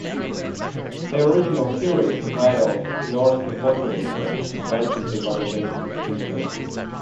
The original series, entitled "Norske Folkeeventyr" went into publication piecemeal.